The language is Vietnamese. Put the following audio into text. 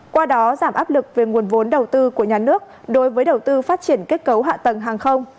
qua đó giảm áp lực về nguồn vốn đầu tư của nhà nước đối với đầu tư phát triển kết cấu hạ tầng hàng không